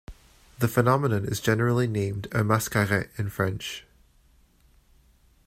The phenomenon is generally named "un mascaret" in French.